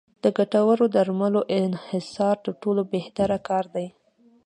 د ګټورو درملو انحصار تر ټولو بهتره کار دی.